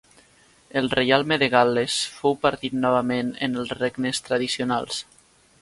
El reialme de Gal·les fou partit novament en els regnes tradicionals.